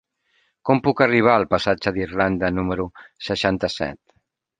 Com puc arribar al passatge d'Irlanda número seixanta-set?